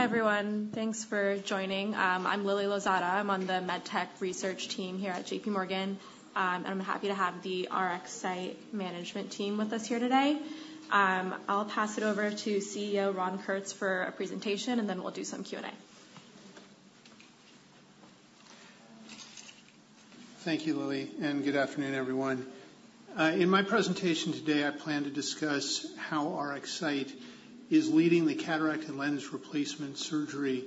Hi, everyone. Thanks for joining. I'm Lily Lozada. I'm on the MedTech research team here at JPMorgan. I'm happy to have the RxSight management team with us here today. I'll pass it over to CEO Ron Kurtz for a presentation, and then we'll do some Q&A. Thank you, Lily, and good afternoon, everyone. In my presentation today, I plan to discuss how RxSight is leading the cataract and lens replacement surgery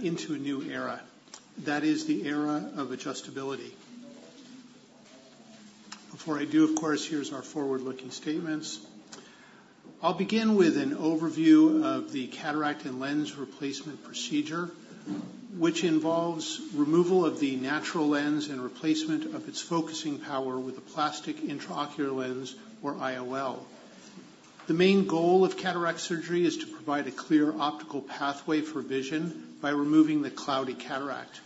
into a new era. That is the era of adjustability. Before I do, of course, here's our forward-looking statements. I'll begin with an overview of the cataract and lens replacement procedure, which involves removal of the natural lens and replacement of its focusing power with a plastic intraocular lens, or IOL. The main goal of cataract surgery is to provide a clear optical pathway for vision by removing the cloudy cataract.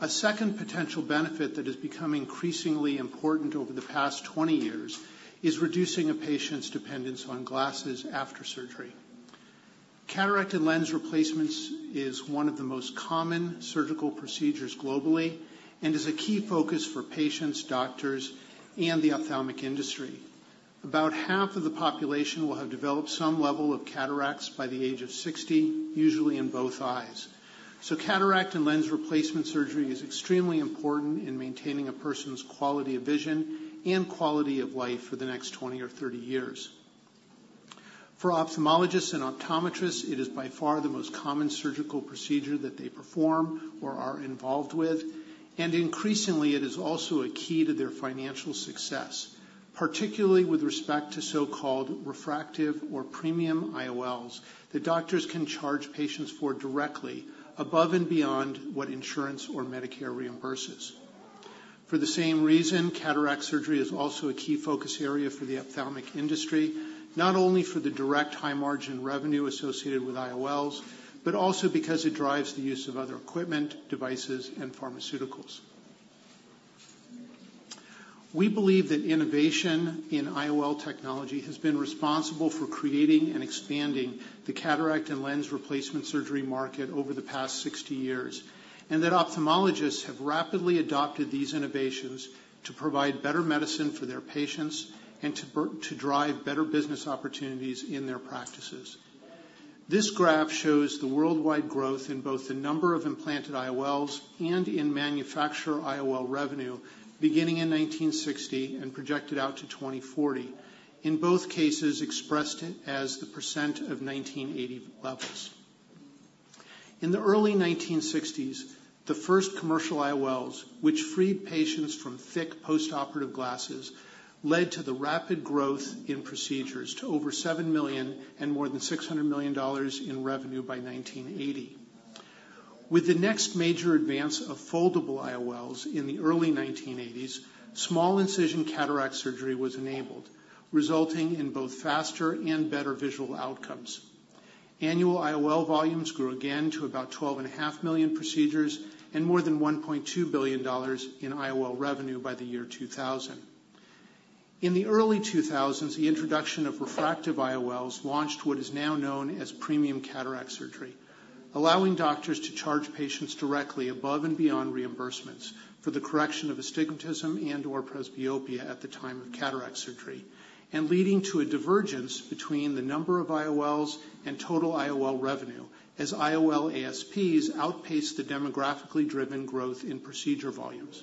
A second potential benefit that has become increasingly important over the past 20 years is reducing a patient's dependence on glasses after surgery. Cataract and lens replacements is one of the most common surgical procedures globally and is a key focus for patients, doctors, and the ophthalmic industry. About half of the population will have developed some level of cataracts by the age of 60, usually in both eyes. Cataract and lens replacement surgery is extremely important in maintaining a person's quality of vision and quality of life for the next 20 or 30 years. For ophthalmologists and optometrists, it is by far the most common surgical procedure that they perform or are involved with, and increasingly, it is also a key to their financial success, particularly with respect to so-called refractive or premium IOLs, that doctors can charge patients for directly above and beyond what insurance or Medicare reimburses. For the same reason, cataract surgery is also a key focus area for the ophthalmic industry, not only for the direct high-margin revenue associated with IOLs, but also because it drives the use of other equipment, devices, and pharmaceuticals. We believe that innovation in IOL technology has been responsible for creating and expanding the cataract and lens replacement surgery market over the past 60 years, and that ophthalmologists have rapidly adopted these innovations to provide better medicine for their patients and to drive better business opportunities in their practices. This graph shows the worldwide growth in both the number of implanted IOLs and in manufacturer IOL revenue, beginning in 1960 and projected out to 2040. In both cases, expressed it as the percent of 1980 levels. In the early 1960s, the first commercial IOLs, which freed patients from thick postoperative glasses, led to the rapid growth in procedures to over seven million and more than $600 million in revenue by 1980. With the next major advance of foldable IOLs in the early 1980s, small incision cataract surgery was enabled, resulting in both faster and better visual outcomes. Annual IOL volumes grew again to about 12.5 million procedures and more than $1.2 billion in IOL revenue by the year 2000. In the early 2000s, the introduction of refractive IOLs launched what is now known as premium cataract surgery, allowing doctors to charge patients directly above and beyond reimbursements for the correction of astigmatism and/or presbyopia at the time of cataract surgery, and leading to a divergence between the number of IOLs and total IOL revenue, as IOL ASPs outpaced the demographically driven growth in procedure volumes.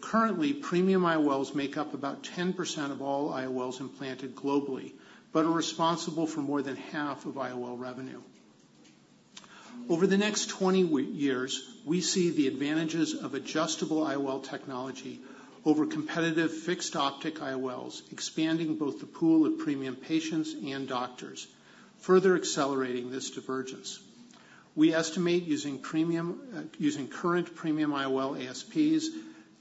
Currently, premium IOLs make up about 10% of all IOLs implanted globally, but are responsible for more than half of IOL revenue. Over the next 20 years, we see the advantages of adjustable IOL technology over competitive fixed-optic IOLs, expanding both the pool of premium patients and doctors, further accelerating this divergence. We estimate using premium, using current premium IOL ASPs,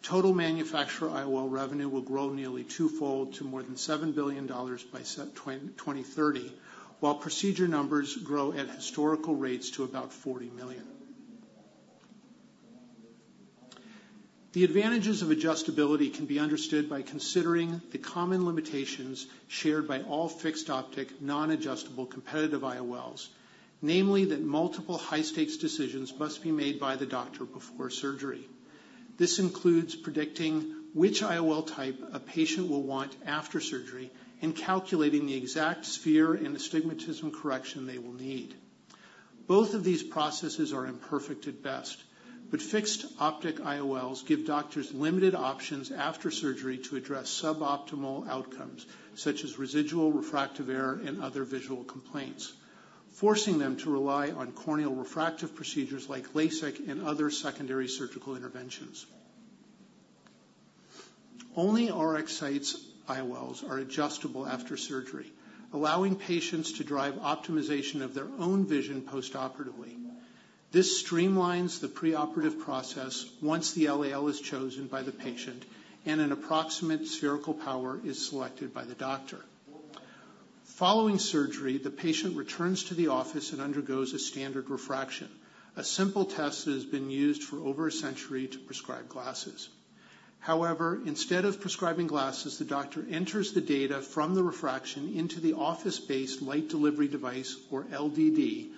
total manufacturer IOL revenue will grow nearly twofold to more than $7 billion by 2030, while procedure numbers grow at historical rates to about 40 million. The advantages of adjustability can be understood by considering the common limitations shared by all fixed-optic, non-adjustable, competitive IOLs, namely, that multiple high-stakes decisions must be made by the doctor before surgery. This includes predicting which IOL type a patient will want after surgery and calculating the exact sphere and astigmatism correction they will need. Both of these processes are imperfect at best, but fixed-optic IOLs give doctors limited options after surgery to address suboptimal outcomes, such as residual refractive error and other visual complaints, forcing them to rely on corneal refractive procedures like LASIK and other secondary surgical interventions. Only RxSight's IOLs are adjustable after surgery, allowing patients to drive optimization of their own vision postoperatively. This streamlines the preoperative process once the LAL is chosen by the patient and an approximate spherical power is selected by the doctor. Following surgery, the patient returns to the office and undergoes a standard refraction, a simple test that has been used for over a century to prescribe glasses.... However, instead of prescribing glasses, the doctor enters the data from the refraction into the office-based Light Delivery Device, or LDD,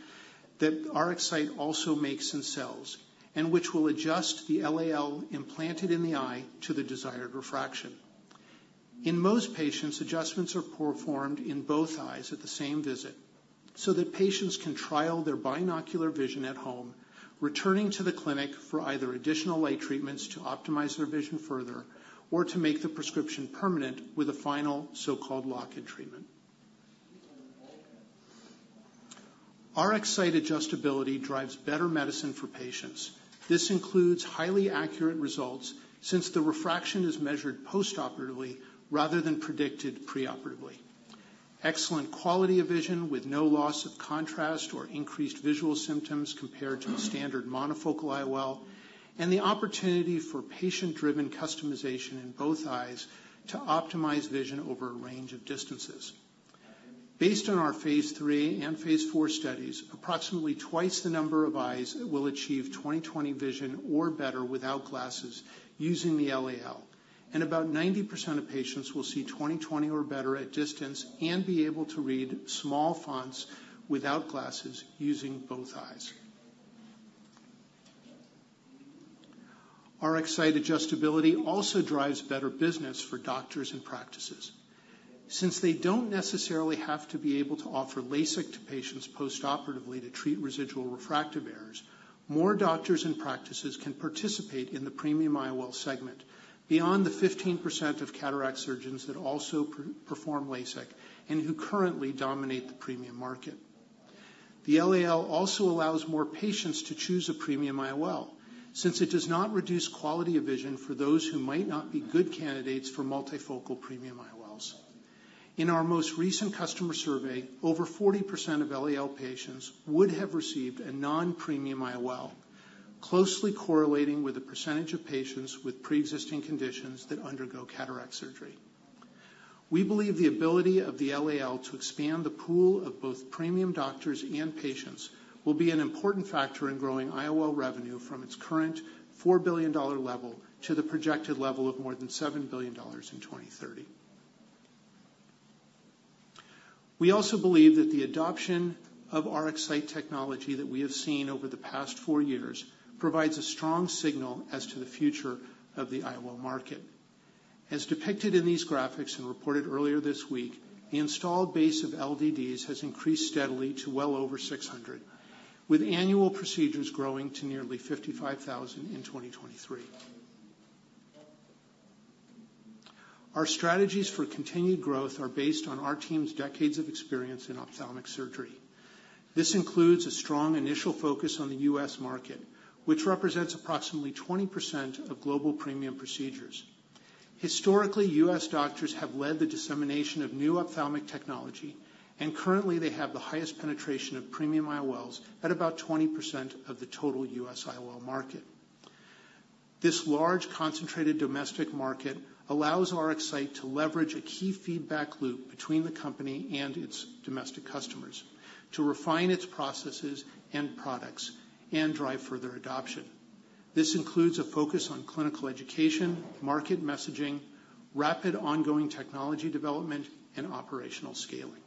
that RxSight also makes and sells, and which will adjust the LAL implanted in the eye to the desired refraction. In most patients, adjustments are performed in both eyes at the same visit, so that patients can trial their binocular vision at home, returning to the clinic for either additional light treatments to optimize their vision further, or to make the prescription permanent with a final so-called lock-in treatment. RxSight adjustability drives better medicine for patients. This includes highly accurate results since the refraction is measured postoperatively rather than predicted preoperatively. Excellent quality of vision with no loss of contrast or increased visual symptoms compared to a standard monofocal IOL, and the opportunity for patient-driven customization in both eyes to optimize vision over a range of distances. Based on our phase III and phase IV studies, approximately twice the number of eyes will achieve 20/20 vision or better without glasses using the LAL, and about 90% of patients will see 20/20 or better at distance and be able to read small fonts without glasses using both eyes. RxSight adjustability also drives better business for doctors and practices. Since they don't necessarily have to be able to offer LASIK to patients postoperatively to treat residual refractive errors, more doctors and practices can participate in the premium IOL segment beyond the 15% of cataract surgeons that also perform LASIK and who currently dominate the premium market. The LAL also allows more patients to choose a premium IOL, since it does not reduce quality of vision for those who might not be good candidates for multifocal premium IOLs. In our most recent customer survey, over 40% of LAL patients would have received a non-premium IOL, closely correlating with the percentage of patients with preexisting conditions that undergo cataract surgery. We believe the ability of the LAL to expand the pool of both premium doctors and patients, will be an important factor in growing IOL revenue from its current $4 billion level to the projected level of more than $7 billion in 2030. We also believe that the adoption of RxSight technology that we have seen over the past four years provides a strong signal as to the future of the IOL market. As depicted in these graphics and reported earlier this week, the installed base of LDDs has increased steadily to well over 600, with annual procedures growing to nearly 55,000 in 2023. Our strategies for continued growth are based on our team's decades of experience in ophthalmic surgery. This includes a strong initial focus on the U.S. market, which represents approximately 20% of global premium procedures. Historically, U.S. doctors have led the dissemination of new ophthalmic technology, and currently, they have the highest penetration of premium IOLs at about 20% of the total U.S. IOL market. This large, concentrated domestic market allows RxSight to leverage a key feedback loop between the company and its domestic customers, to refine its processes and products and drive further adoption. This includes a focus on clinical education, market messaging, rapid ongoing technology development, and operational scaling.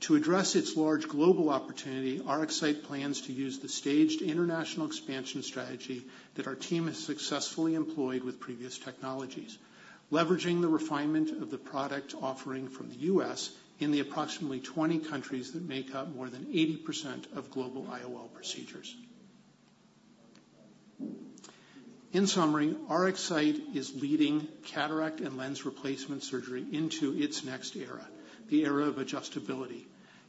To address its large global opportunity, RxSight plans to use the staged international expansion strategy that our team has successfully employed with previous technologies, leveraging the refinement of the product offering from the U.S. in the approximately 20 countries that make up more than 80% of global IOL procedures. In summary, RxSight is leading cataract and lens replacement surgery into its next era, the era of adjustability.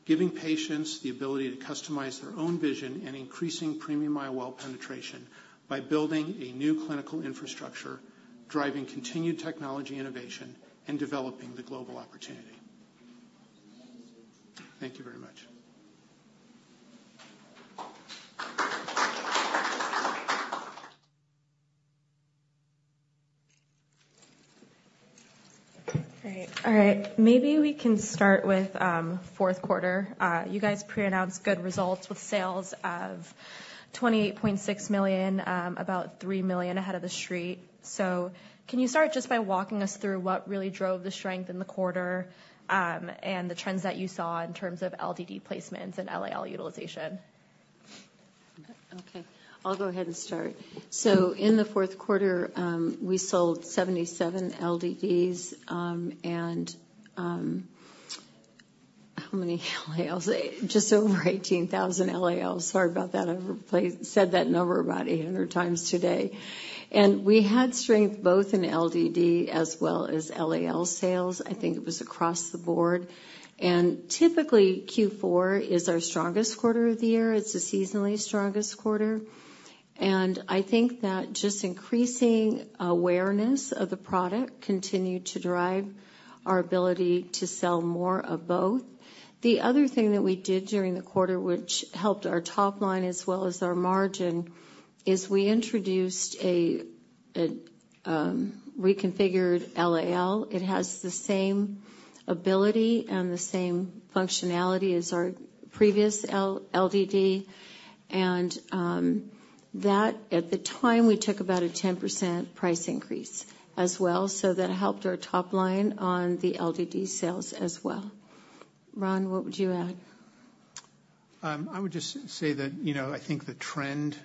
Giving patients the ability to customize their own vision and increasing premium IOL penetration by building a new clinical infrastructure, driving continued technology innovation, and developing the global opportunity. Thank you very much. All right. All right, maybe we can start with fourth quarter. You guys pre-announced good results with sales of $28.6 million, about $3 million ahead of the Street. So can you start just by walking us through what really drove the strength in the quarter, and the trends that you saw in terms of LDD placements and LAL utilization? Okay, I'll go ahead and start. In the fourth quarter, we sold 77 LDDs, and how many LALs? Just over 18,000 LALs. Sorry about that. I've said that number about 800 times today. We had strength both in LDD as well as LAL sales. I think it was across the board. Typically, Q4 is our strongest quarter of the year. It's the seasonally strongest quarter, and I think that just increasing awareness of the product continued to drive our ability to sell more of both. The other thing that we did during the quarter, which helped our top line as well as our margin, is we introduced a reconfigured LAL. It has the same ability and the same functionality as our previous LDD. That, at the time, we took about a 10% price increase as well, so that helped our top line on the LDD sales as well. Ron, what would you add? I would just say that, you know, I think the trend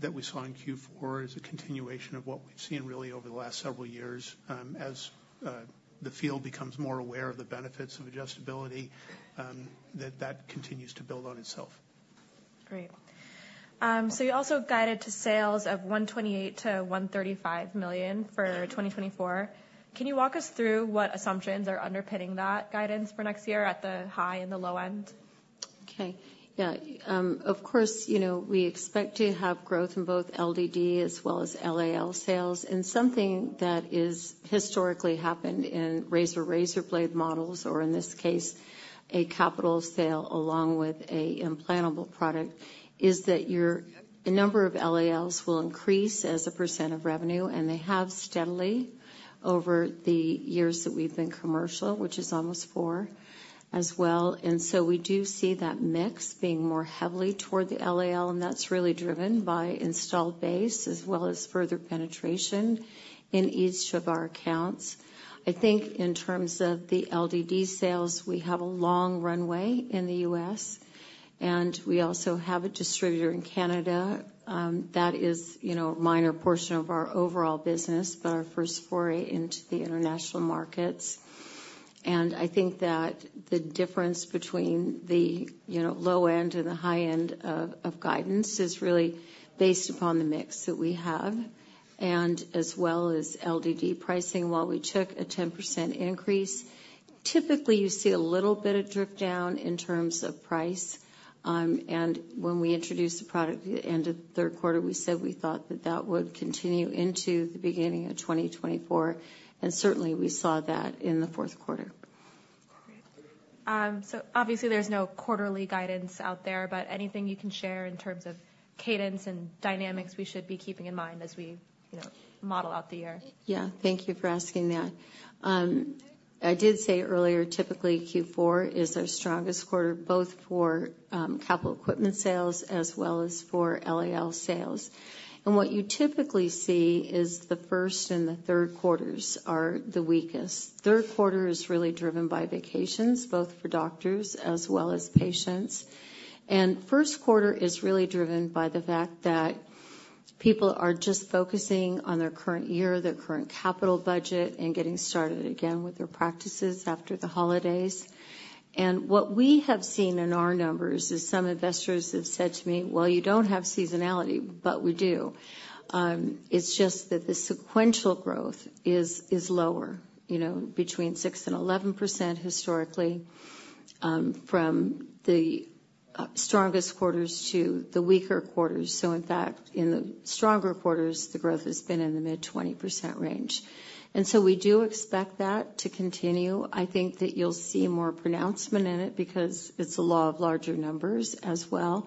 that we saw in Q4 is a continuation of what we've seen really over the last several years. As the field becomes more aware of the benefits of adjustability, that that continues to build on itself. Great. So you also guided to sales of $128 million-$135 million for 2024. Can you walk us through what assumptions are underpinning that guidance for next year at the high and the low end? Okay. Yeah, of course, you know, we expect to have growth in both LDD as well as LAL sales. And something that is historically happened in razor-razor blade models, or in this case, a capital sale along with an implantable product, is that the number of LALs will increase as a percent of revenue, and they have steadily over the years that we've been commercial, which is almost four as well. And so we do see that mix being more heavily toward the LAL, and that's really driven by installed base as well as further penetration in each of our accounts. I think in terms of the LDD sales, we have a long runway in the U.S., and we also have a distributor in Canada. That is, you know, a minor portion of our overall business, but our first foray into the international markets. I think that the difference between the, you know, low end and the high end of, of guidance is really based upon the mix that we have, and as well as LDD pricing. While we took a 10% increase, typically, you see a little bit of drip down in terms of price. And when we introduced the product at the end of the third quarter, we said we thought that that would continue into the beginning of 2024, and certainly, we saw that in the fourth quarter. So, obviously, there's no quarterly guidance out there, but anything you can share in terms of cadence and dynamics we should be keeping in mind as we, you know, model out the year? Yeah. Thank you for asking that. I did say earlier, typically, Q4 is our strongest quarter, both for capital equipment sales as well as for LAL sales. And what you typically see is the first and the third quarters are the weakest. Third quarter is really driven by vacations, both for doctors as well as patients. And first quarter is really driven by the fact that people are just focusing on their current year, their current capital budget, and getting started again with their practices after the holidays. And what we have seen in our numbers is some investors have said to me, "Well, you don't have seasonality," but we do. It's just that the sequential growth is, is lower, you know, between 6% and 11% historically, from the strongest quarters to the weaker quarters. So in fact, in the stronger quarters, the growth has been in the mid-20% range. And so we do expect that to continue. I think that you'll see more pronounced in it because it's the law of larger numbers as well.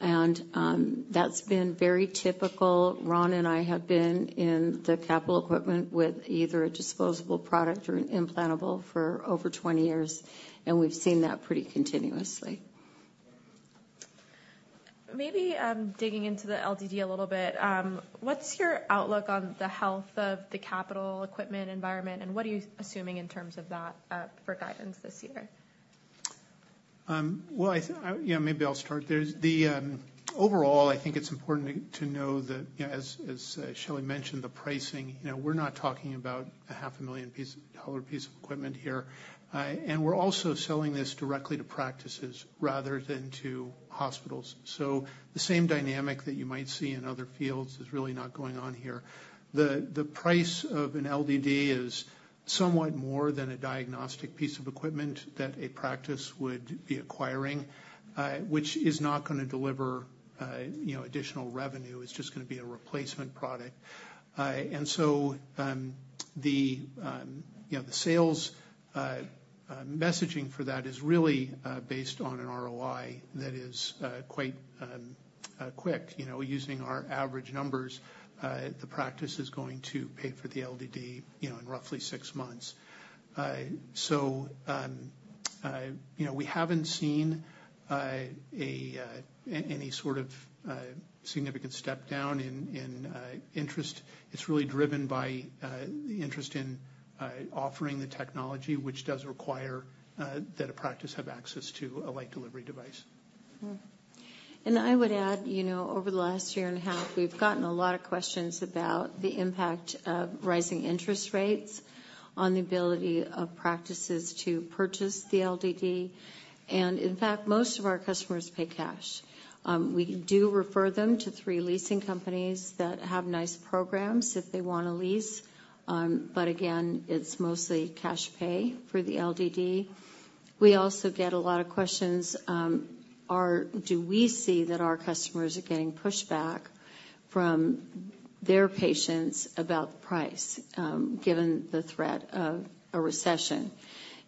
And, that's been very typical. Ron and I have been in the capital equipment with either a disposable product or an implantable for over 20 years, and we've seen that pretty continuously. Maybe, digging into the LDD a little bit, what's your outlook on the health of the capital equipment environment, and what are you assuming in terms of that, for guidance this year? Well, you know, maybe I'll start there. Overall, I think it's important to know that, you know, as Shelley mentioned, the pricing, you know, we're not talking about a $500,000 piece of equipment here. And we're also selling this directly to practices rather than to hospitals. So the same dynamic that you might see in other fields is really not going on here. The price of an LDD is somewhat more than a diagnostic piece of equipment that a practice would be acquiring, which is not gonna deliver, you know, additional revenue. It's just gonna be a replacement product. And so, you know, the sales messaging for that is really based on an ROI that is quite quick. You know, using our average numbers, the practice is going to pay for the LDD, you know, in roughly six months. You know, we haven't seen any sort of significant step-down in interest. It's really driven by the interest in offering the technology, which does require that a practice have access to a Light Delivery Device. Mm-hmm. And I would add, you know, over the last year and a half, we've gotten a lot of questions about the impact of rising interest rates on the ability of practices to purchase the LDD, and in fact, most of our customers pay cash. We do refer them to three leasing companies that have nice programs if they want to lease, but again, it's mostly cash pay for the LDD. We also get a lot of questions. Do we see that our customers are getting pushback from their patients about the price, given the threat of a recession?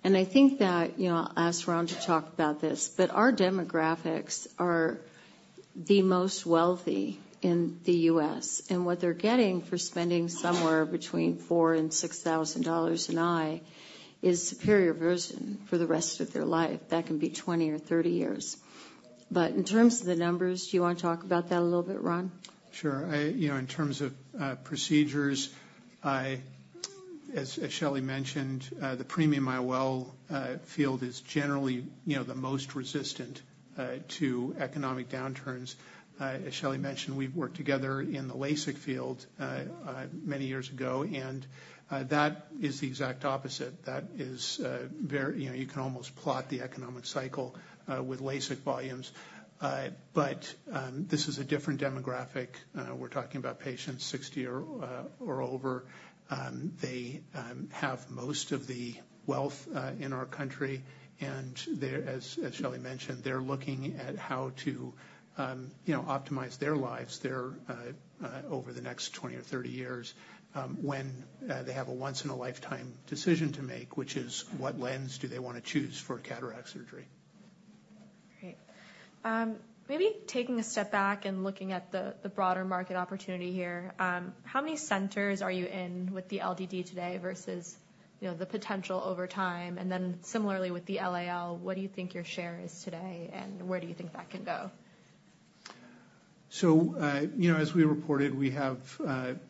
And I think that, you know, I'll ask Ron to talk about this, but our demographics are-... the most wealthy in the U.S., and what they're getting for spending somewhere between $4,000 and $6,000 an eye is superior vision for the rest of their life. That can be 20 or 30 years. But in terms of the numbers, do you want to talk about that a little bit, Ron? Sure. You know, in terms of procedures, as Shelley mentioned, the premium IOL field is generally, you know, the most resistant to economic downturns. As Shelley mentioned, we've worked together in the LASIK field many years ago, and that is the exact opposite. That is, you know, you can almost plot the economic cycle with LASIK volumes. But this is a different demographic. We're talking about patients 60 or over. They have most of the wealth in our country, and they're, as Shelley mentioned, they're looking at how to, you know, optimize their lives over the next 20 or 30 years, when they have a once-in-a-lifetime decision to make, which is what lens do they want to choose for cataract surgery? Great. Maybe taking a step back and looking at the, the broader market opportunity here, how many centers are you in with the LDD today versus, you know, the potential over time? And then similarly, with the LAL, what do you think your share is today, and where do you think that can go? You know, as we reported, we have,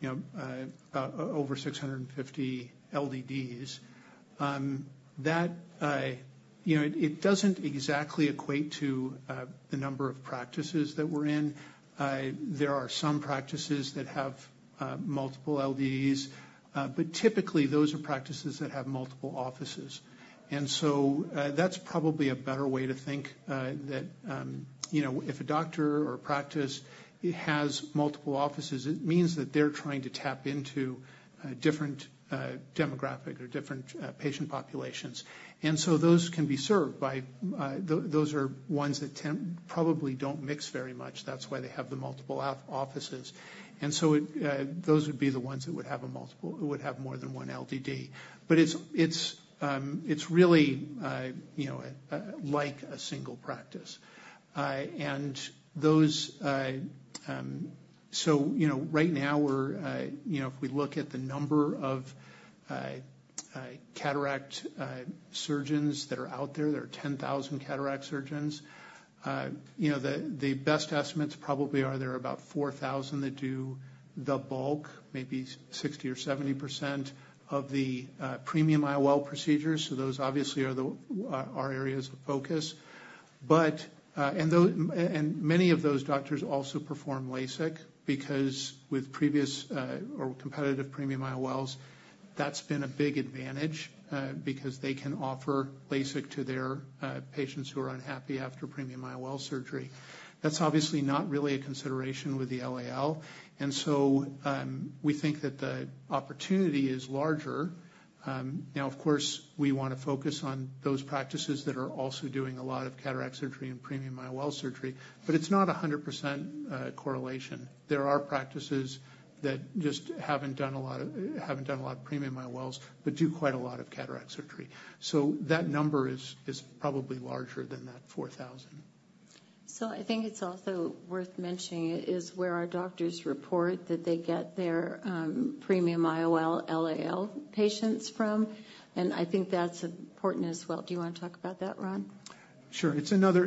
you know, over 650 LDDs. You know, it doesn't exactly equate to the number of practices that we're in. There are some practices that have multiple LDDs, but typically, those are practices that have multiple offices. That's probably a better way to think, you know, if a doctor or practice has multiple offices, it means that they're trying to tap into a different demographic or different patient populations. Those can be served by... Those are ones that probably don't mix very much. That's why they have the multiple offices. Those would be the ones that would have more than one LDD. But it's really, you know, like a single practice. And those, so, you know, right now, we're, you know, if we look at the number of cataract surgeons that are out there, there are 10,000 cataract surgeons. You know, the best estimates probably are there are about 4,000 that do the bulk, maybe 60%-70% of the premium IOL procedures, so those obviously are the areas of focus. But, and many of those doctors also perform LASIK, because with previous or competitive premium IOLs, that's been a big advantage, because they can offer LASIK to their patients who are unhappy after premium IOL surgery. That's obviously not really a consideration with the LAL, and so, we think that the opportunity is larger. Now, of course, we want to focus on those practices that are also doing a lot of cataract surgery and premium IOL surgery, but it's not 100% correlation. There are practices that just haven't done a lot of premium IOLs, but do quite a lot of cataract surgery. So that number is probably larger than that 4,000. So I think it's also worth mentioning is where our doctors report that they get their premium IOL, LAL patients from, and I think that's important as well. Do you want to talk about that, Ron? Sure. It's another.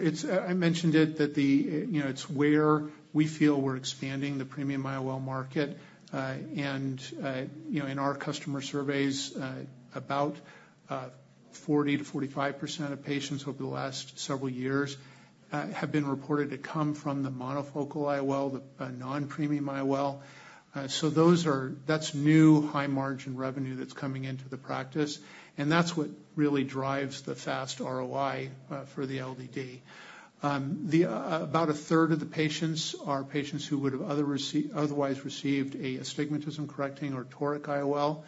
I mentioned it, that the, you know, it's where we feel we're expanding the premium IOL market. And, you know, in our customer surveys, about 40%-45% of patients over the last several years have been reported to come from the monofocal IOL, the non-premium IOL. So those are-- that's new, high-margin revenue that's coming into the practice, and that's what really drives the fast ROI for the LDD. The, about a third of the patients are patients who would have otherwise received an astigmatism-correcting or toric IOL.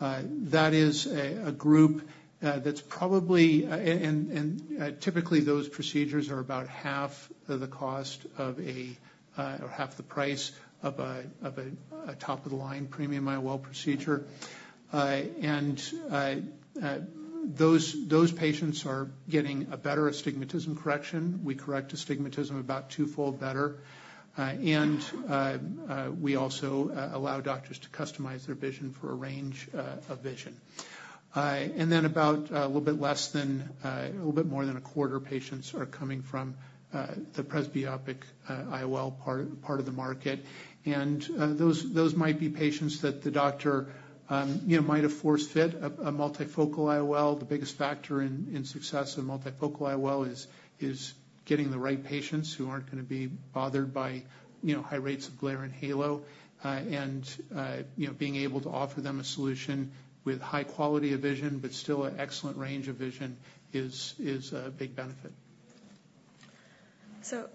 That is a group that's probably. And typically, those procedures are about half of the cost of a, or half the price of a top-of-the-line premium IOL procedure. And those patients are getting a better astigmatism correction. We correct astigmatism about twofold better, and we also allow doctors to customize their vision for a range of vision. And then about a little bit more than a quarter of patients are coming from the presbyopic IOL part of the market. And those might be patients that the doctor, you know, might have force-fit a multifocal IOL. The biggest factor in success of multifocal IOL is getting the right patients who aren't going to be bothered by, you know, high rates of glare and halo. And you know, being able to offer them a solution with high quality of vision, but still an excellent range of vision, is a big benefit.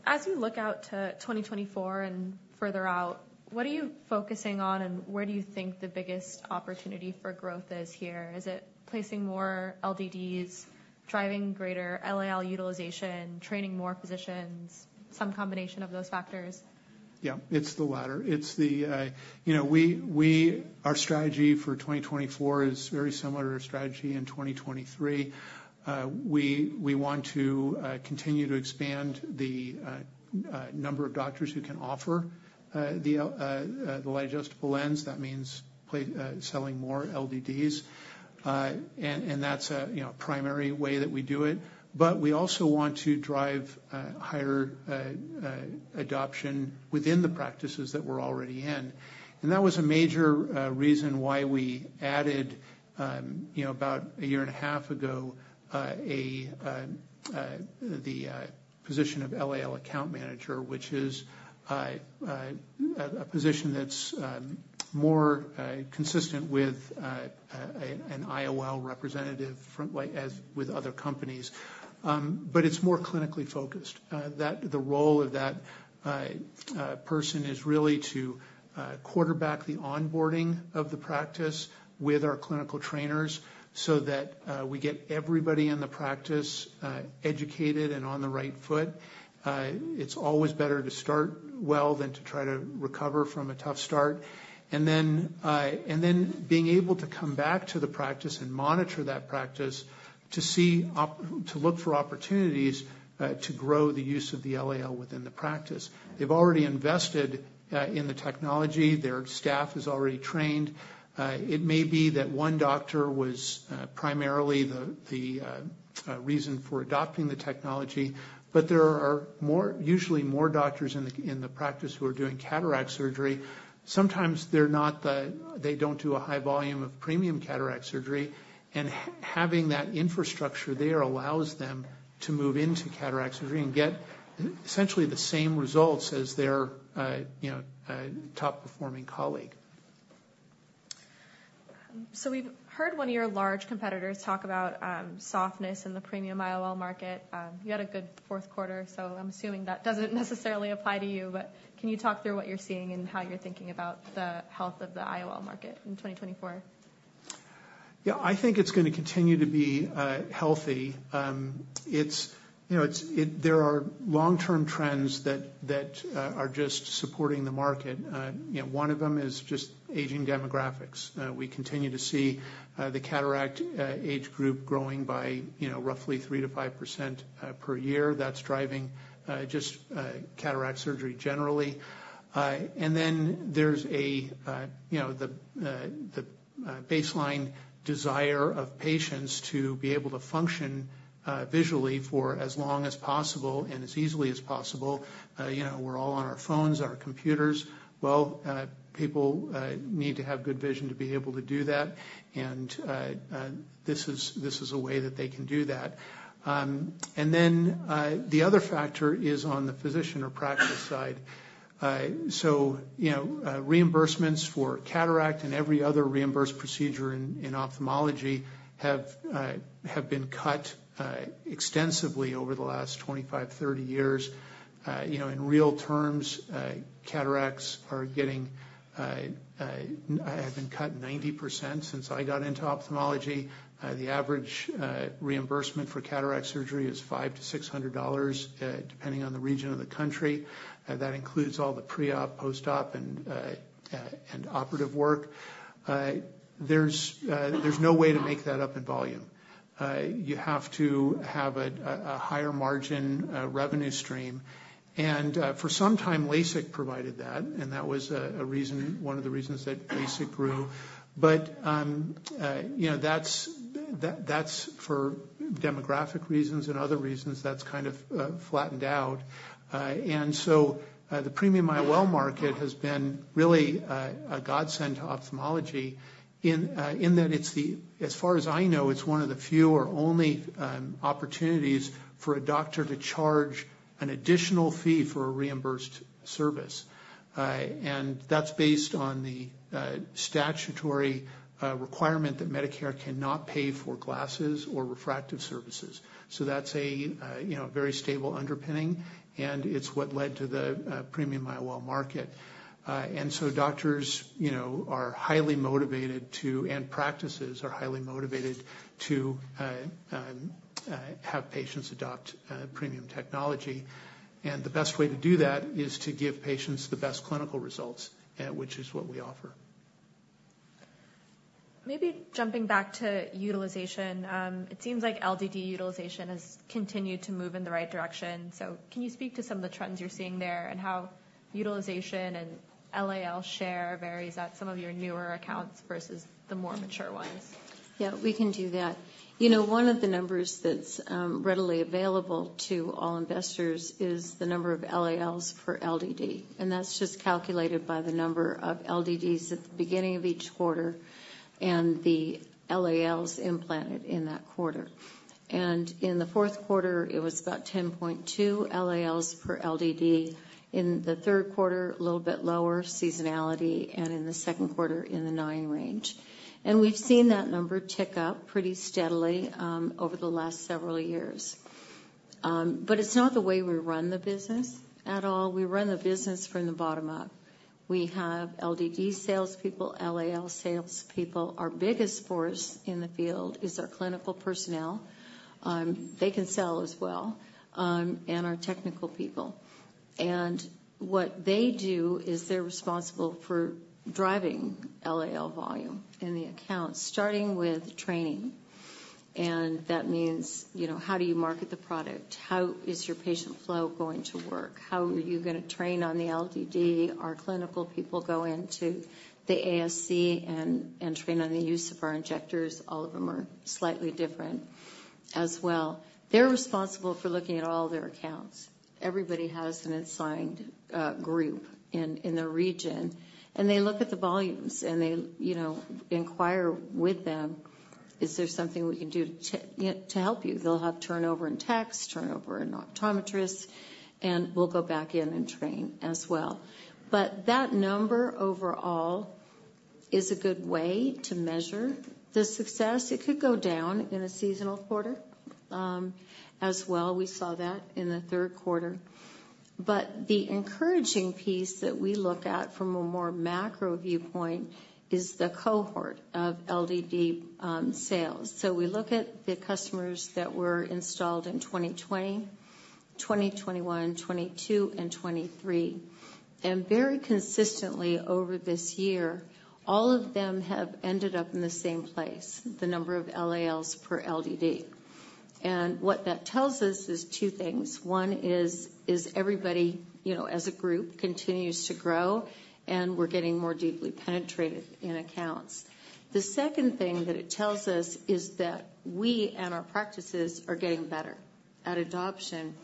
As you look out to 2024 and further out, what are you focusing on, and where do you think the biggest opportunity for growth is here? Is it placing more LDDs, driving greater LAL utilization, training more physicians, some combination of those factors? ... Yeah, it's the latter. It's the, you know, our strategy for 2024 is very similar to our strategy in 2023. We want to continue to expand the number of doctors who can offer the Light Adjustable Lens. That means selling more LDDs. And that's a, you know, primary way that we do it. But we also want to drive higher adoption within the practices that we're already in. And that was a major reason why we added, you know, about a year and a half ago the position of LAL account manager, which is a position that's more consistent with an IOL representative role, as with other companies. But it's more clinically focused. The role of that person is really to quarterback the onboarding of the practice with our clinical trainers so that we get everybody in the practice educated and on the right foot. It's always better to start well than to try to recover from a tough start. And then being able to come back to the practice and monitor that practice to look for opportunities to grow the use of the LAL within the practice. They've already invested in the technology. Their staff is already trained. It may be that one doctor was primarily the reason for adopting the technology, but there are usually more doctors in the practice who are doing cataract surgery. Sometimes they're not the... They don't do a high volume of premium cataract surgery, and having that infrastructure there allows them to move into cataract surgery and get essentially the same results as their, you know, top-performing colleague. We've heard one of your large competitors talk about softness in the premium IOL market. You had a good fourth quarter, so I'm assuming that doesn't necessarily apply to you. But can you talk through what you're seeing and how you're thinking about the health of the IOL market in 2024? Yeah, I think it's going to continue to be healthy. It's, you know, there are long-term trends that are just supporting the market. You know, one of them is just aging demographics. We continue to see the cataract age group growing by, you know, roughly 3%-5% per year. That's driving just cataract surgery generally. And then there's a, you know, the baseline desire of patients to be able to function visually for as long as possible and as easily as possible. You know, we're all on our phones, our computers. Well, people need to have good vision to be able to do that, and this is a way that they can do that. And then, the other factor is on the physician or practice side. So, you know, reimbursements for cataract and every other reimbursed procedure in ophthalmology have been cut extensively over the last 25-30 years. You know, in real terms, cataracts have been cut 90% since I got into ophthalmology. The average reimbursement for cataract surgery is $500-$600, depending on the region of the country. That includes all the pre-op, post-op, and operative work. There's no way to make that up in volume. You have to have a higher margin revenue stream. And, for some time, LASIK provided that, and that was a reason, one of the reasons that LASIK grew. But, you know, that's, that, that's for demographic reasons and other reasons, that's kind of, flattened out. And so, the premium IOL market has been really, a godsend to ophthalmology in, in that it's the... As far as I know, it's one of the few or only, opportunities for a doctor to charge an additional fee for a reimbursed service. And that's based on the, statutory, requirement that Medicare cannot pay for glasses or refractive services. So that's a, you know, very stable underpinning, and it's what led to the, premium IOL market. And so doctors, you know, are highly motivated to, and practices are highly motivated to, have patients adopt, premium technology. The best way to do that is to give patients the best clinical results, which is what we offer. Maybe jumping back to utilization, it seems like LDD utilization has continued to move in the right direction. So can you speak to some of the trends you're seeing there, and how utilization and LAL share varies at some of your newer accounts versus the more mature ones? Yeah, we can do that. You know, one of the numbers that's readily available to all investors is the number of LALs for LDD, and that's just calculated by the number of LDDs at the beginning of each quarter and the LALs implanted in that quarter. And in the fourth quarter, it was about 10.2 LALs per LDD. In the third quarter, a little bit lower seasonality, and in the second quarter, in the nine range. And we've seen that number tick up pretty steadily over the last several years. But it's not the way we run the business at all. We run the business from the bottom up. We have LDD salespeople, LAL salespeople. Our biggest force in the field is our clinical personnel, they can sell as well, and our technical people. And what they do is they're responsible for driving LAL volume in the account, starting with training. And that means, you know, how do you market the product? How is your patient flow going to work? How are you going to train on the LDD? Our clinical people go into the ASC and train on the use of our injectors. All of them are slightly different as well. They're responsible for looking at all their accounts. Everybody has an assigned group in their region, and they look at the volumes, and they, you know, inquire with them, "Is there something we can do to, you know, to help you?" They'll have turnover in techs, turnover in optometrists, and we'll go back in and train as well. But that number overall is a good way to measure the success. It could go down in a seasonal quarter, as well. We saw that in the third quarter. But the encouraging piece that we look at from a more macro viewpoint is the cohort of LDD sales. So we look at the customers that were installed in 2020, 2021, 2022, and 2023. And very consistently over this year, all of them have ended up in the same place, the number of LALs per LDD. And what that tells us is two things. One is everybody, you know, as a group, continues to grow, and we're getting more deeply penetrated in accounts. The second thing that it tells us is that we and our practices are getting better at adoption,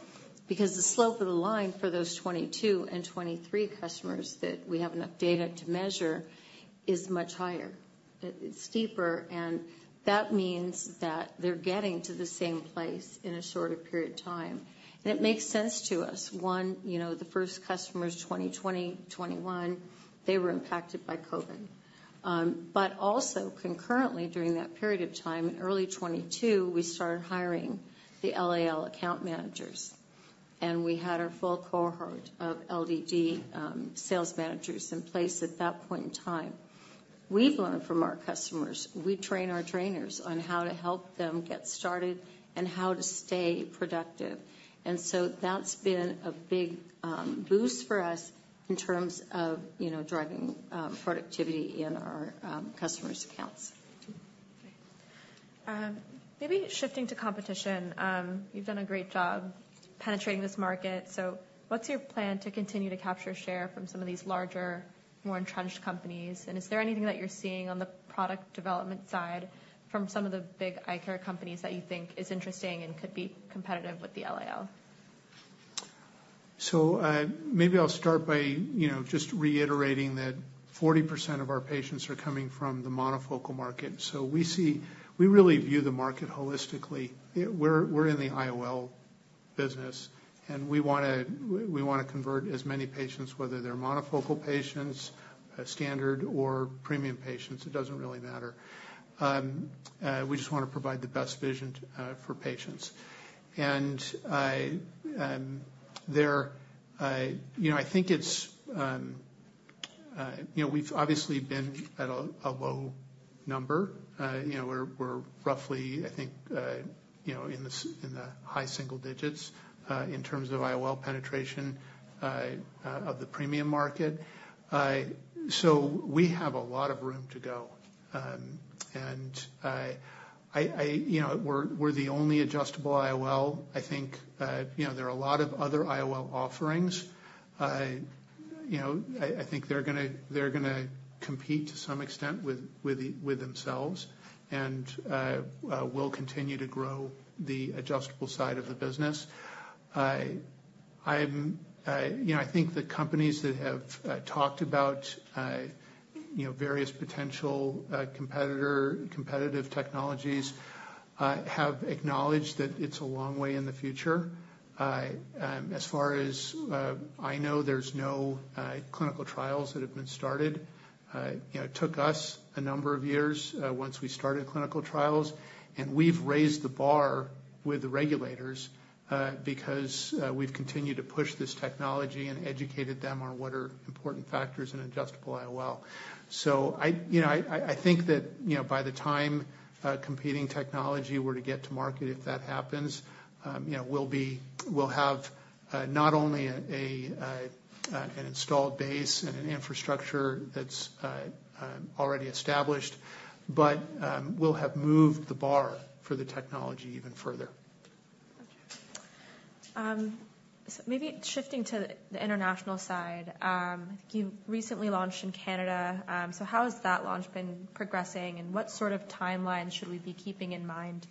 because the slope of the line for those 2022 and 2023 customers that we have enough data to measure is much higher. It's steeper, and that means that they're getting to the same place in a shorter period of time. And it makes sense to us. One, you know, the first customers, 2020, 2021, they were impacted by COVID. But also concurrently, during that period of time, in early 2022, we started hiring the LAL account managers, and we had our full cohort of LDD sales managers in place at that point in time. We've learned from our customers. We train our trainers on how to help them get started and how to stay productive. And so that's been a big boost for us in terms of, you know, driving productivity in our customers' accounts. Maybe shifting to competition. You've done a great job penetrating this market, so what's your plan to continue to capture share from some of these larger, more entrenched companies? And is there anything that you're seeing on the product development side from some of the big eye care companies that you think is interesting and could be competitive with the LAL? So, maybe I'll start by, you know, just reiterating that 40% of our patients are coming from the monofocal market. So we really view the market holistically. We're, we're in the IOL business, and we want to, we want to convert as many patients, whether they're monofocal patients, standard or premium patients, it doesn't really matter. We just want to provide the best vision for patients. And I, you know, I think it's, you know, we've obviously been at a low number. You know, we're, we're roughly, I think, you know, in the high single digits in terms of IOL penetration of the premium market. So we have a lot of room to go. You know, we're the only adjustable IOL. I think, you know, there are a lot of other IOL offerings. You know, I think they're gonna compete to some extent with themselves, and we'll continue to grow the adjustable side of the business. I think the companies that have talked about you know, various potential competitive technologies have acknowledged that it's a long way in the future. As far as I know, there's no clinical trials that have been started. You know, it took us a number of years, once we started clinical trials, and we've raised the bar with the regulators, because we've continued to push this technology and educated them on what are important factors in adjustable IOL. So I, you know, I think that, you know, by the time competing technology were to get to market, if that happens, you know, we'll be—we'll have not only a, an installed base and an infrastructure that's already established, but we'll have moved the bar for the technology even further. Okay. So maybe shifting to the international side. I think you recently launched in Canada. So how has that launch been progressing, and what sort of timeline should we be keeping in mind,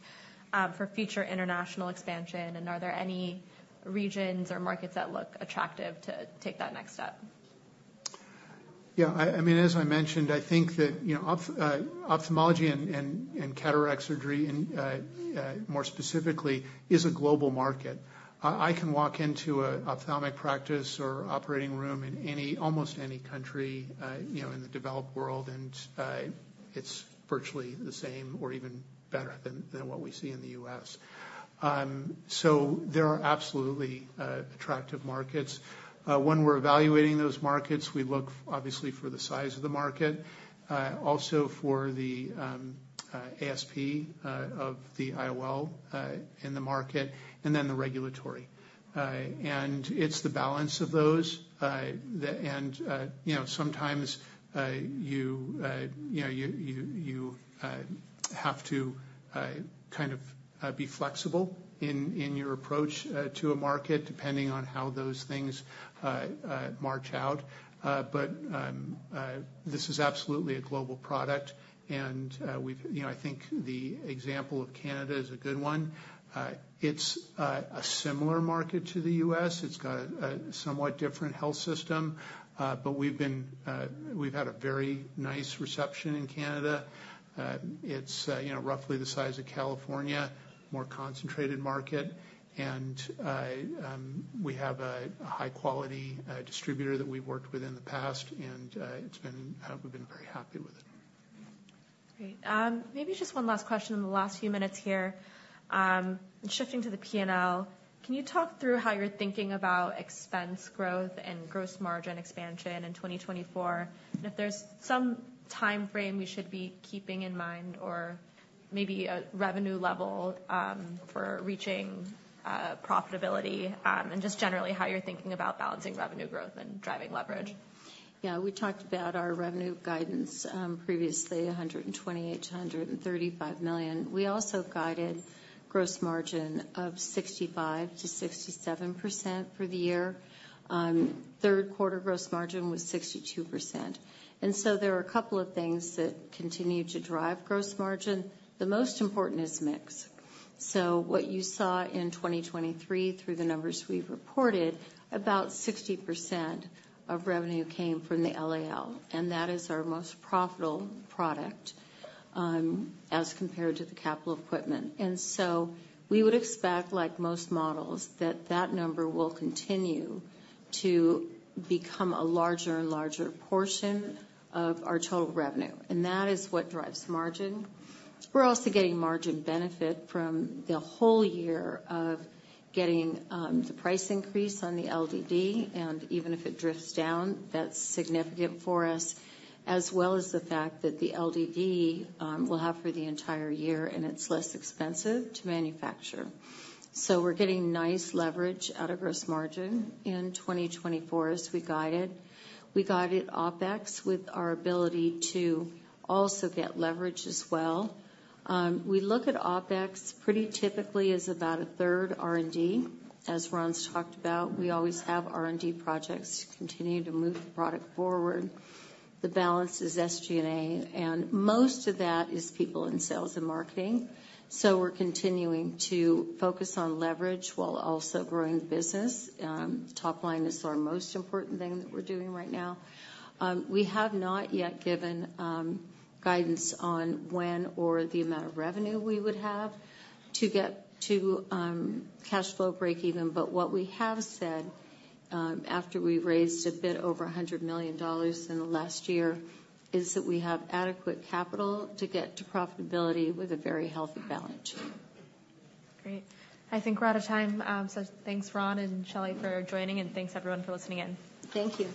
for future international expansion? And are there any regions or markets that look attractive to take that next step?... Yeah, I mean, as I mentioned, I think that, you know, ophthalmology and cataract surgery, and more specifically, is a global market. I can walk into an ophthalmic practice or operating room in almost any country, you know, in the developed world, and it's virtually the same or even better than what we see in the U.S.. So there are absolutely attractive markets. When we're evaluating those markets, we look obviously for the size of the market, also for the ASP of the IOL in the market, and then the regulatory. And it's the balance of those, you know, sometimes you have to kind of be flexible in your approach to a market, depending on how those things march out. But this is absolutely a global product, and, you know, I think the example of Canada is a good one. It's a similar market to the U.S. It's got a somewhat different health system, but we've had a very nice reception in Canada. It's, you know, roughly the size of California, more concentrated market, and we have a high-quality distributor that we've worked with in the past, and we've been very happy with it. Great. Maybe just one last question in the last few minutes here. Shifting to the P&L, can you talk through how you're thinking about expense growth and gross margin expansion in 2024? And if there's some timeframe we should be keeping in mind, or maybe a revenue level, for reaching profitability, and just generally, how you're thinking about balancing revenue growth and driving leverage. Yeah, we talked about our revenue guidance previously, $128 million-$135 million. We also guided gross margin of 65%-67% for the year. Third quarter gross margin was 62%, and so there are a couple of things that continue to drive gross margin. The most important is mix. So what you saw in 2023, through the numbers we've reported, about 60% of revenue came from the LAL, and that is our most profitable product, as compared to the capital equipment. And so we would expect, like most models, that that number will continue to become a larger and larger portion of our total revenue, and that is what drives margin. We're also getting margin benefit from the whole year of getting the price increase on the LDD, and even if it drifts down, that's significant for us, as well as the fact that the LDD we'll have for the entire year, and it's less expensive to manufacture. So we're getting nice leverage out of gross margin in 2024, as we guided. We guided OpEx with our ability to also get leverage as well. We look at OpEx pretty typically as about a third R&D. As Ron's talked about, we always have R&D projects to continue to move the product forward. The balance is SG&A, and most of that is people in sales and marketing. So we're continuing to focus on leverage while also growing the business. Top line is our most important thing that we're doing right now. We have not yet given guidance on when or the amount of revenue we would have to get to cash flow breakeven. But what we have said, after we raised a bit over $100 million in the last year, is that we have adequate capital to get to profitability with a very healthy balance sheet. Great. I think we're out of time. So thanks, Ron and Shelley, for joining, and thanks, everyone, for listening in. Thank you.